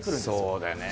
そうだね。